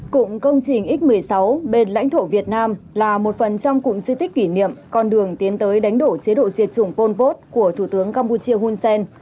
cụm công trình x một mươi sáu bên lãnh thổ việt nam là một phần trong cụm di tích kỷ niệm con đường tiến tới đánh đổ chế độ diệt chủng pol pot của thủ tướng campuchia hun sen